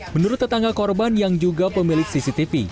menurut tetangga korban yang juga pemilik cctv